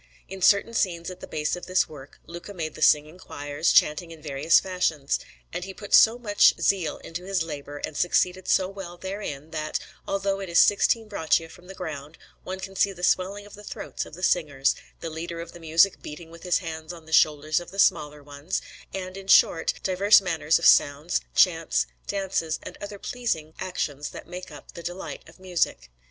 In certain scenes at the base of this work Luca made the singing choirs, chanting in various fashions; and he put so much zeal into this labour and succeeded so well therein, that, although it is sixteen braccia from the ground, one can see the swelling of the throats of the singers, the leader of the music beating with his hands on the shoulders of the smaller ones, and, in short, diverse manners of sounds, chants, dances, and other pleasing actions that make up the delight of music.